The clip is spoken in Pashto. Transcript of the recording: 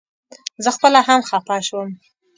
زه خپله هم خپه شوم.